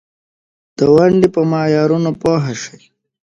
د هماغه سرکټ اتومات فیوز په ټرمینل بکس کې شارټ سرکټ له برېښنا باسي.